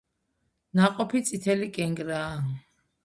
ნაყოფი წითელი კენკრაა.